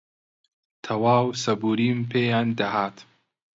تەواو سەبووریم پێیان دەهات